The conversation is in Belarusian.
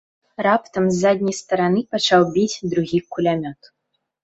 Раптам з задняй стараны пачаў біць другі кулямёт.